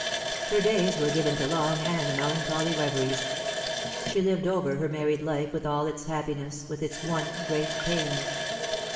Her days were given to long and melancholy reveries. She lived over her married life, with all its happiness, with its one great pain.